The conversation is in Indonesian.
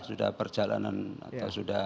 sudah perjalanan atau sudah